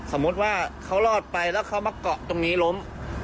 สมมุติว่าเขารอดไปแล้วเขามาเกาะตรงนี้ล้ม